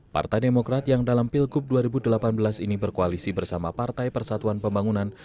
partai demokrat yang dalam pilgub dua ribu delapan belas ini berkoalisi bersama partai persatuan pembangunan